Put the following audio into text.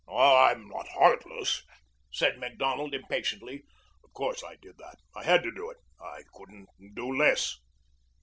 "I'm not heartless," said Macdonald impatiently. "Of course I did that. I had to do it. I couldn't do less."